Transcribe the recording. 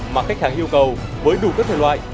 mà khách hàng yêu cầu với đủ cấp thời loại